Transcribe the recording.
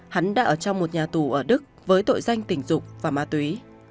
hắn đã ở trong một nhà tù ở đức với tội danh tình dục và ma túy